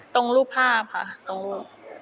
ตรงรูปภาพค่ะ